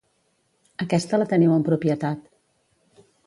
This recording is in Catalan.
Aquesta la teniu en propietat.